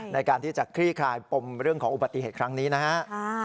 ในการที่จะคลี่คลายปมเรื่องของอุบัติเหตุครั้งนี้นะฮะ